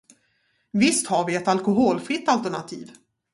Visst har vi ett alkoholfritt alternativ?